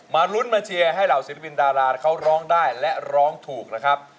ลุ้นมาเชียร์ให้เหล่าศิลปินดาราเขาร้องได้และร้องถูกนะครับ